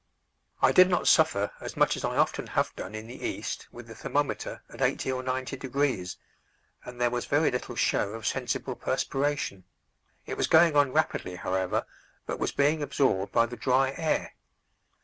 I did not suffer as much as I often have done in the East with the thermometer at 80 or 90 degrees, and there was very little show of sensible perspiration; it was going on rapidly, however, but was being absorbed by the dry air.